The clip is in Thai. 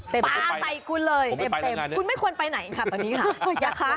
ปลาไปคุณเลยเต็มคุณไม่ควรไปไหนตอนนี้ค่ะ